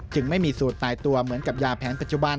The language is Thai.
ไม่มีสูตรตายตัวเหมือนกับยาแผนปัจจุบัน